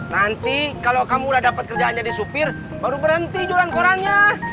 nanti kalau kamu udah dapat kerjaan jadi supir baru berhenti jualan korannya